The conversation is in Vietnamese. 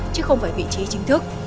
chứ không phải vị trí chính thức